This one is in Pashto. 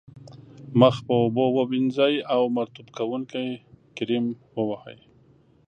مخ په اوبو ومینځئ او مرطوب کوونکی کریم و وهئ.